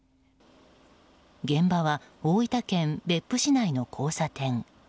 現場は大分県別府市内の交差点。